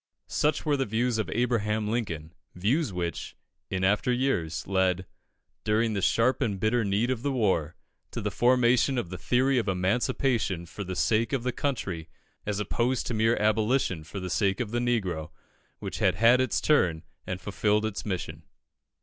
Such were the views of Abraham Lincoln views which, in after years, led, during the sharp and bitter need of the war, to the formation of the theory of Emancipation for the sake of the Country, as opposed to mere Abolition for the sake of the Negro, which had had its turn and fulfilled its mission.